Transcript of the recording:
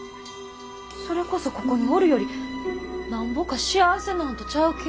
それこそここにおるよりなんぼか幸せなんとちゃうけ？